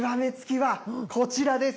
極め付きはこちらです。